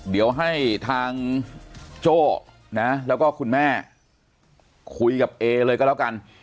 เดี๋ยวให้ทางโจ้นะแล้วก็คุณแม่คุยกับเอเลยก็แล้วกัน